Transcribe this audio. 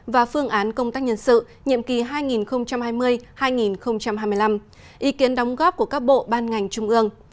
và phương án công tác nhân sự nhiệm kỳ hai nghìn hai mươi hai nghìn hai mươi năm ý kiến đóng góp của các bộ ban ngành trung ương